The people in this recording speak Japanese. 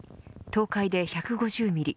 東海で１５０ミリ